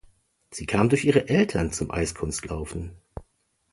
Sie kam durch ihre Eltern zum Eiskunstlaufen.